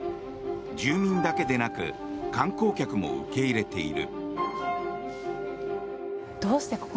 住民だけでなく観光客も受け入れている。